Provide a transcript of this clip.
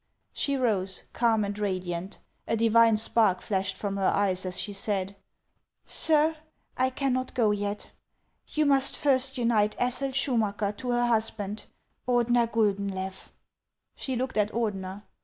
She rose, calm and radiant ; a divine spark flashed from her eyes as she said :" Sir, I cannot go yet ; you must first unite Ethel Schumacker to her husband, Ordener Guldenlew." She looked at Ordener.